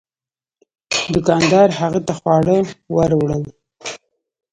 دوکاندار هغه ته خواړه ور وړل.